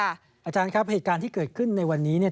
อาจารย์ครับเหตุการณ์ที่เกิดขึ้นในวันนี้เนี่ย